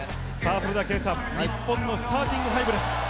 それでは日本のスターティングファイブです。